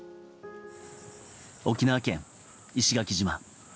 沖縄県石垣島。